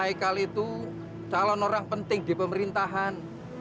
haikal itu calon orang penting di pemerintahan